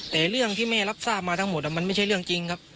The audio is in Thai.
แต่เรื่องที่แม่รับทราบมาทั้งหมดมันไม่ใช่เรื่องจริงครับ